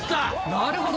なるほど！